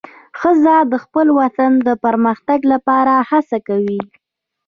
ښځه د خپل وطن د پرمختګ لپاره هڅه کوي.